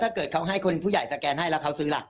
ถ้าเกิดเขาให้คนผู้ใหญ่สแกนให้แล้วเขาซื้อล่ะ